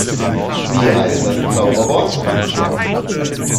Wie heißt das Zauberwort?